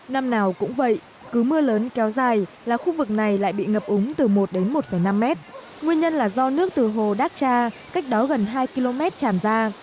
năm nào cũng vậy cứ mưa lớn kéo dài là khu vực này lại bị ngập úng từ một đến một năm mét nguyên nhân là do nước từ hồ đác cha cách đó gần hai km tràn ra